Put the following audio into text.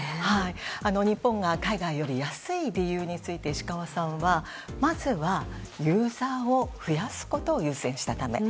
日本が海外より安い理由について石川さんはまずはユーザーを増やすことを優先したため。